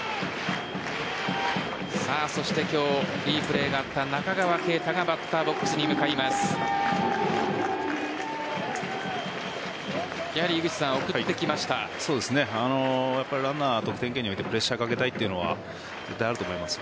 そして今日いいプレーがあった中川圭太がバッターボックスに向かいます。